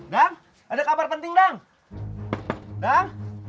dang ada kabar penting dang